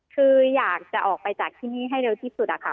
คืออยากจะออกไปจากที่นี่ให้เร็วที่สุดอะค่ะ